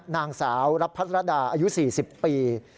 นางสาวรับพัทรดาอายุ๔๐ปี